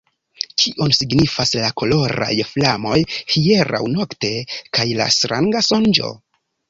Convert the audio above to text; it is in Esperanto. Kion signifas la koloraj flamoj hieraŭ nokte kaj la stranga sonĝo?